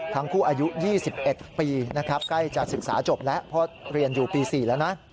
อายุ๒๑ปีนะครับใกล้จะศึกษาจบแล้วเพราะเรียนอยู่ปี๔แล้วนะ